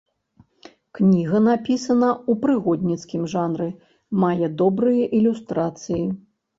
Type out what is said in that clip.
Кніга напісана ў прыгодніцкім жанры, мае добрыя ілюстрацыі.